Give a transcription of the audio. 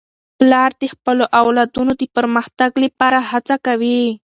پلار د خپلو اولادونو د پرمختګ لپاره هڅه کوي.